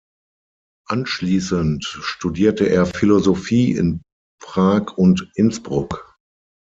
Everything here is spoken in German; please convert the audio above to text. Anschließend studierte er Philosophie in Prag und Innsbruck.